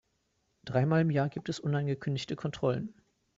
Dreimal im Jahr gibt es unangekündigte Kontrollen.